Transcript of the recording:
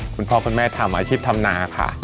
คุณพ่อพ่อแม่ทำอาชีพธรรมนาค่ะ